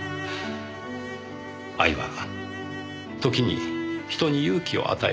愛は時に人に勇気を与えます。